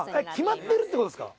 決まってるってことですか？